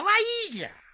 じゃ。